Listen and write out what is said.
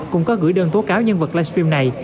cũng có gửi đơn tố cáo nhân vật livestream này